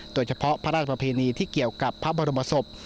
โดยเฉพาะพระราชประเพณีที่เกี่ยวกับพระบรมศพ